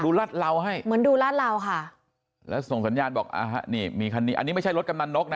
รัดเหลาให้เหมือนดูลาดเหลาค่ะแล้วส่งสัญญาณบอกอ่าฮะนี่มีคันนี้อันนี้ไม่ใช่รถกำนันนกนะ